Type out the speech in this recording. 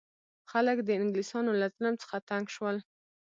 خلک د انګلیسانو له ظلم څخه تنګ شول.